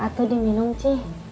sakat tuh diminum ci